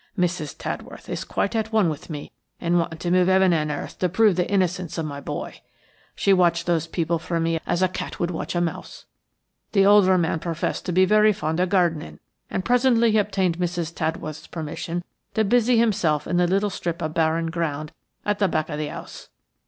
Mrs. Tadworth is quite at one with me in wanting to move heaven and earth to prove the innocence of my boy. She watched those people for me as a cat would watch a mouse. The older man professed to be very fond of gardening, and presently he obtained Mrs. Tadworth's permission to busy himself in the little strip of barren ground at the back of the house.